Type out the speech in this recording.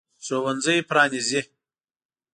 ښوونځی پرانیزي.